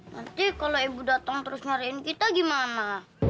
nanti kalau ibu datang terus ngariin kita gimana